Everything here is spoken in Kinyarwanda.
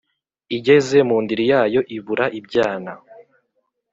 igeze mu ndiri yayo ibura ibyana